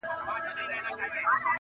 • دا دهقان چي تخم پاشي او روان دی -